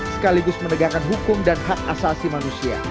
sekaligus menegakkan hukum dan hak asasi manusia